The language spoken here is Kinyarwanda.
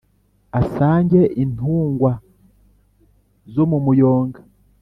asange intungwa zo mu muyonga